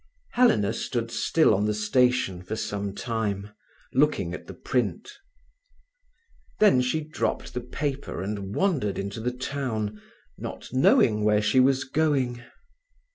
Helena stood still on the station for some time, looking at the print. Then she dropped the paper and wandered into the town, not knowing where she was going.